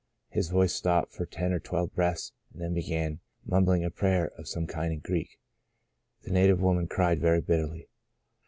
... His voice stopped for ten or twelve breaths and then he began mumbling a prayer of some kind in Greek. The native woman cried very bitterly.